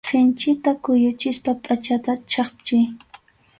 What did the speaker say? Sinchita kuyuchispa pʼachata chhapchiy.